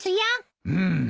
うん。